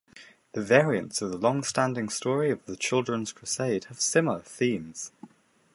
The variants of the long-standing story of the Children's Crusade have similar themes.